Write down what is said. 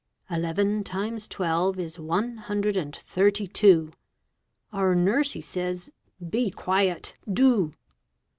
Eleven times twelve is one hundred and thirty two. Our nursie says, "Be quiet, do!"